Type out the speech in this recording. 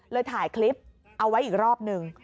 ถ่ายคลิปเอาไว้อีกรอบหนึ่ง